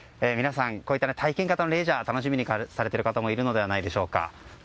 皆さん、こういった体験型のレジャーも楽しみにされている方もいるのではないでしょうか。